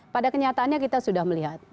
pada kenyataannya kita sudah melihat